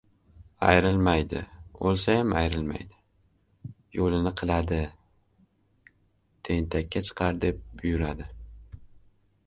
Ayrilmaydi, o‘lsayam ayrilmaydi. Yo‘lini qiladi... Tentakka chiqar, deb buyuradi.